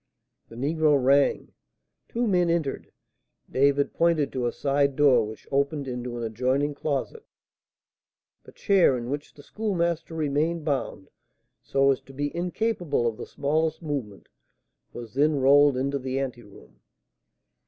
The negro rang; two men entered. David pointed to a side door, which opened into an adjoining closet. The chair in which the Schoolmaster remained bound, so as to be incapable of the smallest movement, was then rolled into the anteroom.